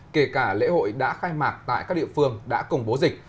kể cả lễ hội đã khai mạc tại các địa phương đã công bố dịch